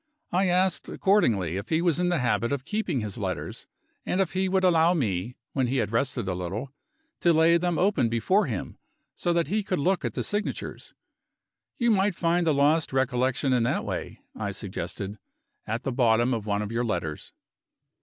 I asked accordingly if he was in the habit of keeping his letters, and if he would allow me (when he had rested a little) to lay them open before him, so that he could look at the signatures. "You might find the lost recollection in that way," I suggested, "at the bottom of one of your letters."